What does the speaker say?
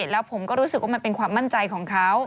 แล้วผมก็รู้สึกว่ามันเป็นความมั่นใจของเขา